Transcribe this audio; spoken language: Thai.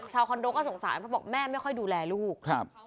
ชาวคอนโดก็สงสารเพราะแม่ไม่ค่อยดูแลลูก